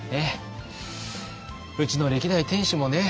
うちの歴代店主もね